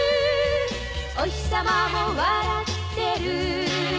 「おひさまも笑ってる」